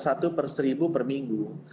satu per seribu per minggu